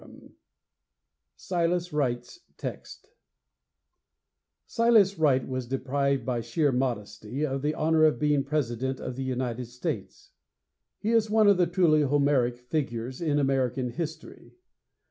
XV SILAS WRIGHT'S TEXT I Silas Wright was deprived by sheer modesty of the honor of being President of the United States. His is one of the truly Homeric figures in American history.